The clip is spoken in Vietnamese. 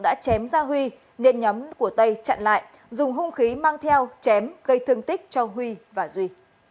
đã chém gia huy nên nhóm của tây chặn lại dùng hung khí mang theo chém gây thương tích cho huy và duy